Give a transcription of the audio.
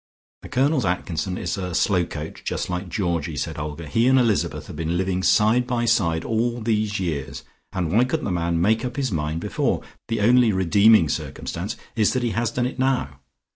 "The Colonel's Atkinson is a slow coach, just like Georgie," said Olga. "He and Elizabeth have been living side by side all these years, and why couldn't the man make up his mind before? The only redeeming circumstance is that he has done it now.